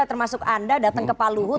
termasuk anda datang ke pak luhut